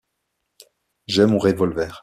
J'ai mon revolver.